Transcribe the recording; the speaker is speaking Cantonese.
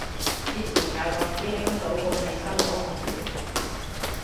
之前有個師兄早過你收到紅帖